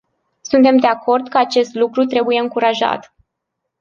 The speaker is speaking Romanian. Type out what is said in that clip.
Suntem de acord că acest lucru trebuie încurajat.